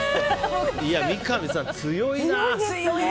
三上さん、強いな。